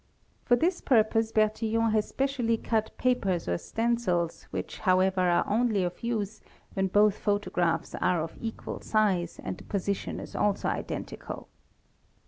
For this purpose Bertillon has specially cut papers or { stencils which however are only of use when both photographs are of equal size and the position is also identical.